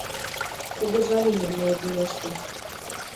Кугыжа лийнем мые тӱняште».